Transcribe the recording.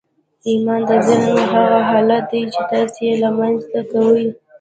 ايمان د ذهن هغه حالت دی چې تاسې يې رامنځته کوئ.